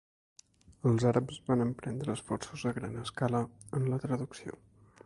Els àrabs van emprendre esforços a gran escala en la traducció.